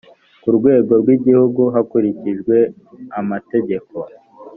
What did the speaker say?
ku rwego rw igihugu hakurikijwe amategeko